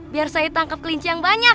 biar saya tangkap kelinci yang banyak